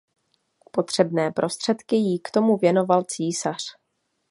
Potřebné prostředky jí k tomu věnoval císař.